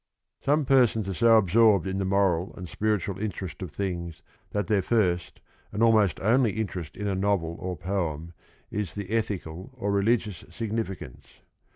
Some persons are so absorbed in the moral and spiritual interest of things that their first and almost only interest in a novel or poem is the ethical or religious significance.